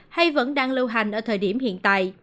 hay vẫn đang lưu hành ở thời điểm hiện tại